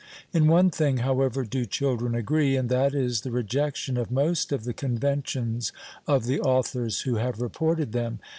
In one thing, however, do children agree, and that is the rejection of most of the conventions of the authors who have reported them.